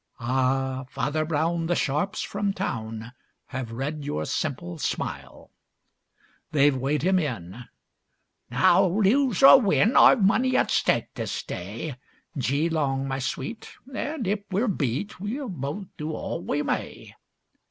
Ah, Farmer Brown, the sharps from town, Have read your simple smile! They've weighed him in. 'Now lose or win, I've money at stake this day; Gee long, my sweet, and if we're beat, We'll both do all we may!